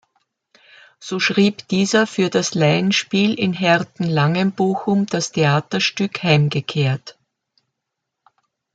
So schrieb dieser für das Laienspiel in Herten-Langenbochum das Theaterstück "„Heimgekehrt“".